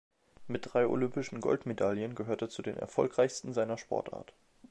Mit drei olympischen Goldmedaillen gehört er zu den Erfolgreichsten seiner Sportart.